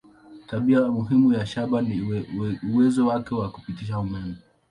Tabia muhimu ya shaba ni uwezo wake wa kupitisha umeme.